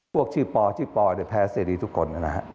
พวกชื่อปชื่อปแต่แพ้เซรี่ทุกคน